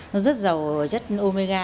nó rất giàu chất omega